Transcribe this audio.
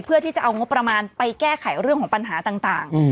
เพื่อที่จะเอางบประมาณไปแก้ไขเรื่องของปัญหาต่าง